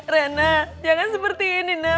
rena jangan seperti ini nak